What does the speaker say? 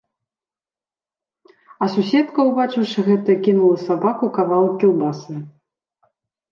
А суседка, убачыўшы гэта, кінула сабаку кавалак кілбасы.